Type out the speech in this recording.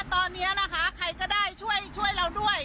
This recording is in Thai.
ตอนนี้นะคะใครก็ได้ช่วยเราด้วย